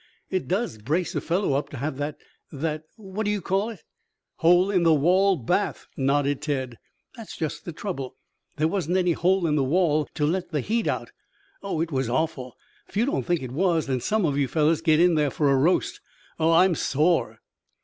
"It does brace a fellow up to have that that what do you call it?" "Hole In The Wall bath," nodded Ned. "That's just the trouble. There wasn't any hole in the wall to let the heat out. Oh, it was awful. If you don't think it was, then some of you fellows get in there for a roast. Oh, I'm sore!"